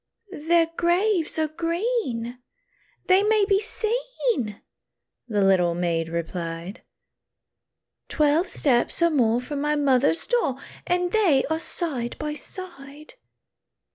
"Their graves are green, they may be seen," The little maid replied, "Twelve steps or more from my mother's door, And they are side by side.